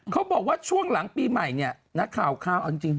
เขาบอกว่าช่วงหลังปีใหม่นะคราวอร่อยจริง